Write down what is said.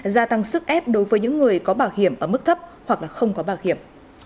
gia tăng sức ép đối với những người có bảo hiểm ở mức thấp hoặc là không có bảo hiểm